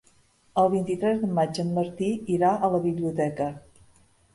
El vint-i-tres de maig en Martí irà a la biblioteca.